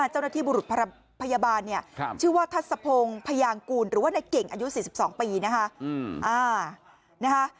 หรือว่าในเก่งอายุ๔๒ปีนะคะ